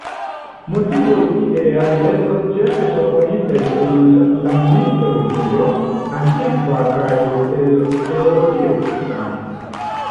Motivoj tieaj estas ĉefe prenitaj el la mitologio antikva kaj el teologio kristana.